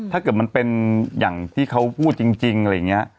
ถ้าเกิดมันเป็นอย่างที่เขาพูดจริงอะไรอย่างนี้